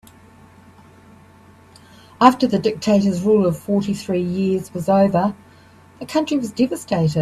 After the dictator's rule of fourty three years was over, the country was devastated.